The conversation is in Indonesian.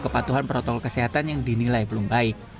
kepatuhan protokol kesehatan yang dinilai belum baik